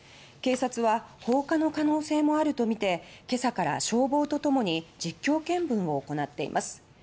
警察は放火の可能性があるとみてけさから消防とともに実況見分を行っています。